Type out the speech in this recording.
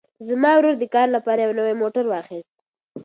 زما ورور د کار لپاره یو نوی موټر واخیست.